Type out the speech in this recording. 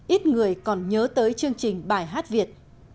ít người còn nhớ tới chương trình bài hát việt